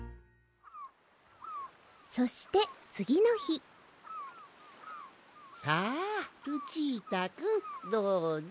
そしてつぎのひさあルチータくんどうぞ。